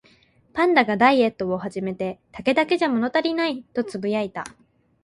パンダがダイエットを始めて、「竹だけじゃ物足りない」とつぶやいた